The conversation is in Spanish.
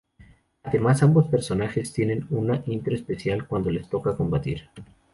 Además, ambos personajes tienen una intro especial cuando les toca combatir.